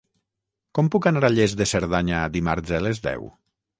Com puc anar a Lles de Cerdanya dimarts a les deu?